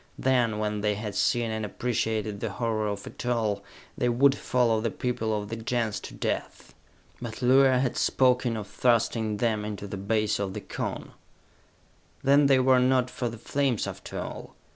Then, when they had seen and appreciated the horror of it all, they would follow the people of the Gens to death! But Luar had spoken of thrusting them into the base of the Cone! Then they were not for the flames after all!